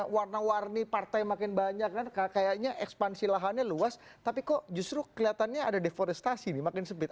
warna warni partai makin banyak kan kayaknya ekspansi lahannya luas tapi kok justru kelihatannya ada deforestasi nih makin sempit